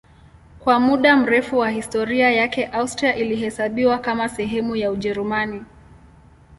Kwa muda mrefu wa historia yake Austria ilihesabiwa kama sehemu ya Ujerumani.